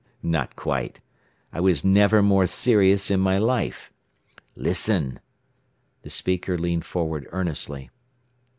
Not quite. I was never more serious in my life. Listen!" The speaker leaned forward earnestly.